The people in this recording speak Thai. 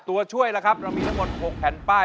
ตัวช่วยล่ะครับเรามีทั้งหมด๖แผ่นป้าย